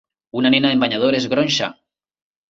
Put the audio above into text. Una nena en banyador es gronxa